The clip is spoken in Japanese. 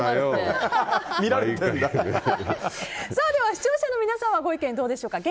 視聴者の皆さんはご意見どうでしょうか。